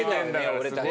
俺たちの。